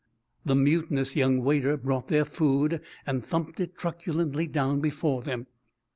The mutinous young waiter brought their food and thumped it truculently down before them.